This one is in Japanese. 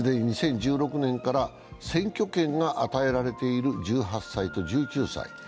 既に２０１６年から選挙権が与えられている１８歳と１９歳。